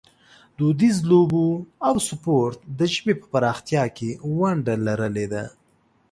دودیزو لوبو او سپورټ د ژبې په پراختیا کې ونډه لرلې ده.